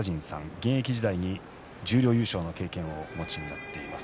現役時代に十両優勝の経験もお持ちになっています。